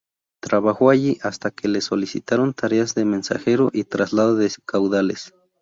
Trabajó allí hasta que le solicitaron tareas de mensajero y traslado de caudales.